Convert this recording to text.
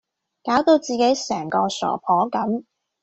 攪到自己成個傻婆咁